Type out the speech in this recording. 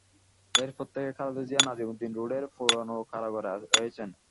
এরপর থেকেই খালেদা জিয়া নাজিমউদ্দীন রোডের পুরোনো কারাগারে রয়েছেন।